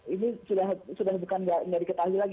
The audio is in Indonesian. ini sudah bukan tidak diketahui lagi